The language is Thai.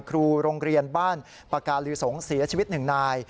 ครูโรงเรียนบ้านปากาลือสงฆ์เสียชีวิตหนึ่งนาย